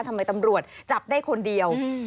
ทำไมตำรวจจับได้คนเดียว